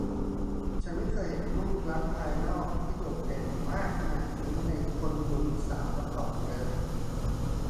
ฉันไม่เคยเห็นรูปลักษณ์ภายนอกที่โดดเด่นมากขนาดนี้ในคนหนุ่มสาวมาก่อนเลย